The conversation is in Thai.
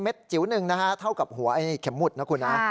จิ๋วหนึ่งนะฮะเท่ากับหัวไอ้เข็มหมุดนะคุณนะ